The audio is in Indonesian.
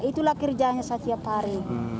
itulah kerjaannya setiap hari